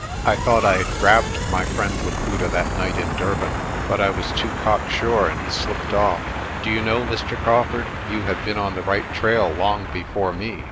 I thought I had grabbed my friend Laputa that night in Durban, but I was too cock sure and he slipped off. Do you know, Mr. Crawfurd, you have been on the right trail long before me?